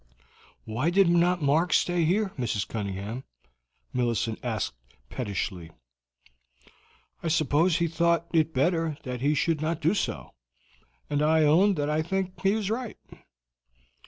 "Why did not Mark stay here, Mrs. Cunningham?" Millicent asked pettishly. "I suppose he thought it better that he should not do so; and I own that I think he was right."